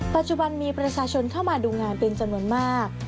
ปัจจุบันมีประชาชนเข้ามาดูงานเป็นจำนวนมาก